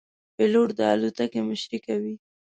پیلوټ د الوتکې مشري کوي.